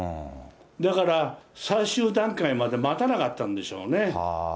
だから最終段階まで待たなかったんでしょうね。